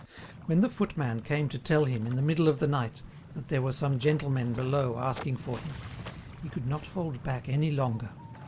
When the footman came to tell him, in the middle of the night, that there were some gentlemen below asking for him, he could not hold back any longer.